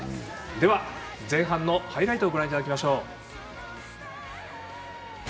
では、前半のハイライトをご覧いただきましょう。